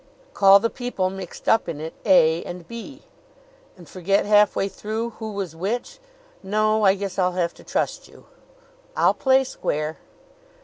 "Call the people mixed up in it A and B." "And forget, halfway through, who was which! No; I guess I'll have to trust you." "I'll play square."